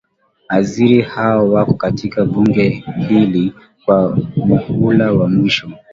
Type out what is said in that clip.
aziri hao wako katika bunge hili kwa muhula wa mwisho